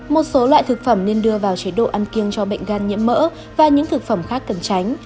một số loại thực phẩm nên đưa vào chế độ ăn kiêng cho bệnh gan nhiễm mỡ và những thực phẩm khác cần tránh